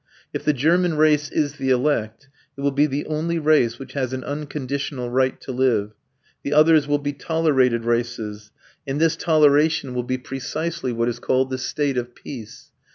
If the German race is the elect, it will be the only race which has an unconditional right to live; the others will be tolerated races, and this toleration will be precisely what is called "the state of peace."